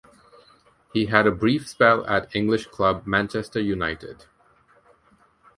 He had a brief spell at English club Manchester United.